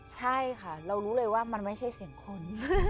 ใช่ค่ะเรารู้เลยว่ามันไม่ใช่เสียงคน